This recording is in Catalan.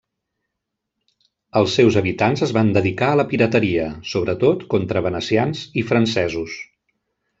Els seus habitants es van dedicar a la pirateria, sobretot contra venecians i francesos.